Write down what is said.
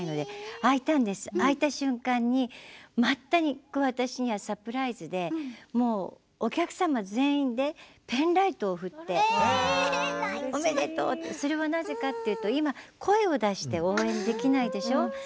その瞬間に全く私にはサプライズでお客様全員でペンライトを振っておめでとうってそれをなぜかというと今、声を出して応援ができないでしょ。